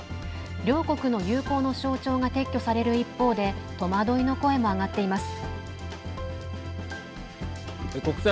両国の友好の象徴が撤去される一方で戸惑いの声も上がっています。